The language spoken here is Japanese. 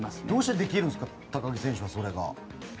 どうしてできるんですか高木選手はそれが。